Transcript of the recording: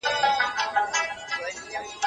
پاڼه به ولې له خپله ځایه نه غورځېږي؟